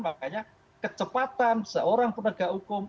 makanya kecepatan seorang penegak hukum